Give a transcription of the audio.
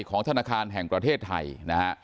ของธนาคารแห่งประเทศไทยนะฮะ